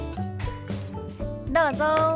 どうぞ。